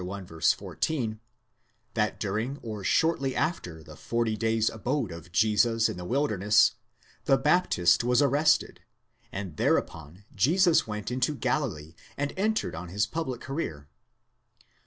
14, that during or shortly after the forty days' abode of Jesus in the wilder ness, the Baptist was arrested, and thereupon Jesus went into Galilee, and entered on his public career.